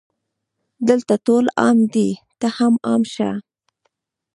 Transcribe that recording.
دلته ټول عام دي ته هم عام شه